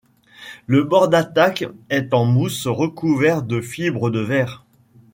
Le bord d'attaque est en mousse recouverte de fibre de verre.